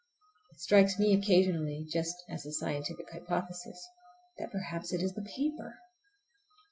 It strikes me occasionally, just as a scientific hypothesis, that perhaps it is the paper!